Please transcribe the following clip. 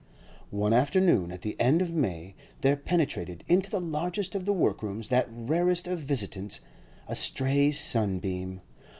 One afternoon at the end of May there penetrated into the largest of the workrooms that rarest of visitants, a stray sunbeam.